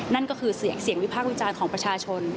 นั่นก็คือเสียงวิพากษ์วิจารณ์ของประชาชน